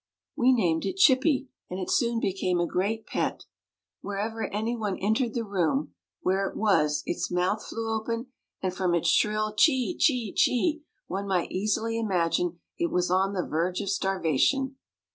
We named it Chippy and it soon became a great pet. Whenever anyone entered the room where it was its mouth flew open, and from its shrill "chee chee chee," one might easily imagine it was on the verge of starvation.